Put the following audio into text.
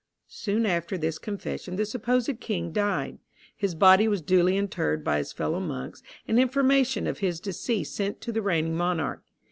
Soon after this confession the supposed king died; his body was duly interred by his fellow monks, and information of his decease sent to the reigning monarch.